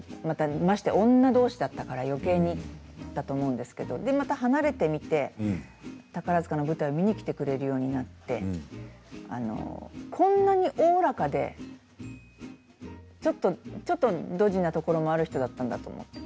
ましてや女どうしだからよけいにだと思うんですけれどまた、離れてみて、宝塚の舞台を見にきてくれるようになってこんなにおおらかでちょっとドジなところもある人だったんだと思って。